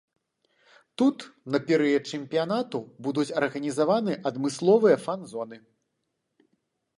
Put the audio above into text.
Тут на перыяд чэмпіянату будуць арганізаваны адмысловыя фан-зоны.